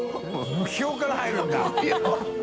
「霧氷」から入るんだ。））